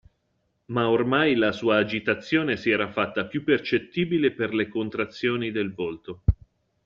Ma ormai la sua agitazione si era fatta più percettibile per le contrazioni del volto.